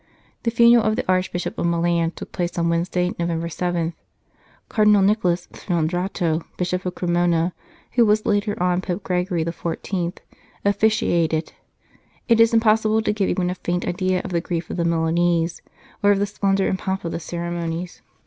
The funeral of the Archbishop of Milan took place on Wednesday, November 7. Cardinal Nicholas Sfondrato, Bishop of Cremona, who was later on Pope Gregory XIV., officiated. It 237 St. Charles Borromeo is impossible to give even a faint idea of the grief of the Milanese, or of the splendour and pomp of the ceremonies.